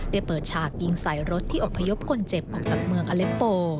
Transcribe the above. เปิดฉากยิงใส่รถที่อบพยพคนเจ็บออกจากเมืองอเล็ปโป